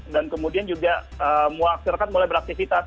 dan kemudian juga muaksyarakat mulai beraktifitas